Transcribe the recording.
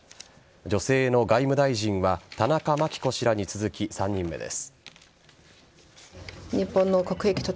女性の外務大臣は田中真紀子氏らに続き３人目です。